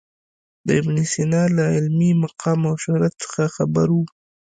د ابن سینا له علمي مقام او شهرت څخه خبر و.